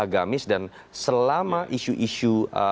agamis dan selama isu isu